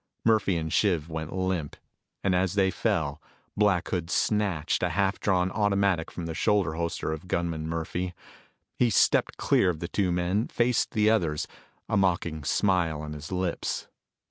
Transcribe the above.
Murphy and Shiv went limp, and as they fell, Black Hood snatched a half drawn automatic from the shoulder holster of gunman Murphy. He stepped clear of the two men, faced the others, a mocking smile on his lips.